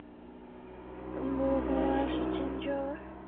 园部藩是日本江户时代的一个藩。